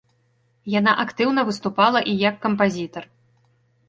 Яна актыўна выступала і як кампазітар.